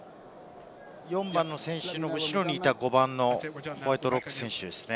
４番の選手の後ろにいたホワイトロック選手ですね。